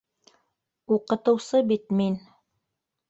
Уҡытыусы бит мин.